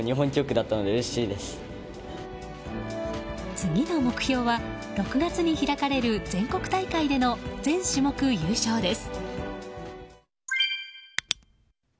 次の目標は６月に開かれる全国大会での全種目優勝です。